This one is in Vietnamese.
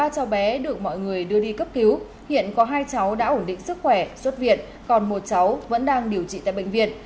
ba cháu bé được mọi người đưa đi cấp cứu hiện có hai cháu đã ổn định sức khỏe xuất viện còn một cháu vẫn đang điều trị tại bệnh viện